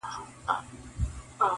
ګناه بل وکړي کسات یې له ما خېژي.